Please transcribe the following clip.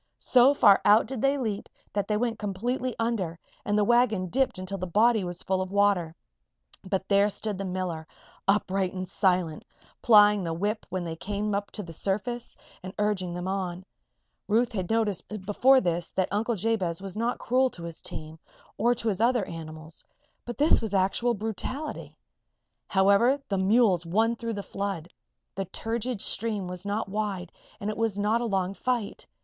So far out did they leap that they went completely under and the wagon dipped until the body was full of water. But there stood the miller, upright and silent, plying the whip when they came to the surface, and urging them on. Ruth had noticed before this that Uncle Jabez was not cruel to his team, or to his other animals; but this was actual brutality. However, the mules won through the flood. The turgid stream was not wide and it was not a long fight.